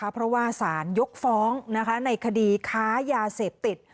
เพราะว่าสารยกฟ้องในคดีค้ายาเสพติด